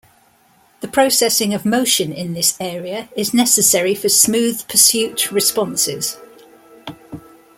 The processing of motion in this area is necessary for smooth pursuit responses.